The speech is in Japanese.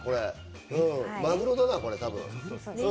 マグロだな多分。